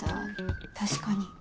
確かに。